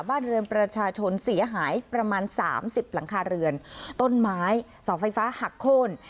บ้านเรือนประชาชนเสียหายประมาณสามสิบหลังคาเรือนต้นไม้เสาไฟฟ้าหักโค้น